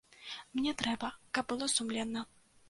Мне трэба, каб было сумленна.